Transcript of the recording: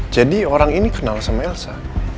jadi orang ini kenal sama elsa